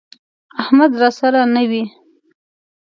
احمد راسره نه وي،